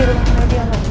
sudah terima kasih ya